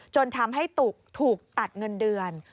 จนทำให้ตุกถูกตัดเงินเดือน